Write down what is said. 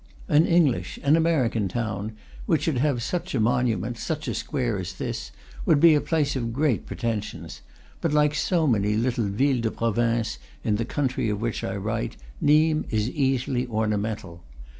An English, an American, town which should have such a monu ment, such a square, as this, would be a place of great pretensions; but like so many little villes de province in the country of which I write, Nimes is easily ornamental.